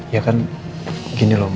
ya kan gini loh